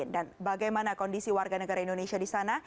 dan bagaimana kondisi warga negara indonesia di sana